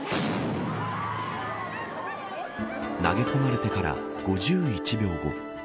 投げ込まれてから５１秒後。